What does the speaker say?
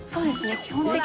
基本的に